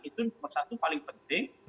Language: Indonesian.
itu nomor satu paling penting